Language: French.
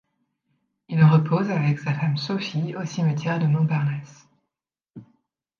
Il repose avec sa femme Sophie au cimetière de Montparnasse.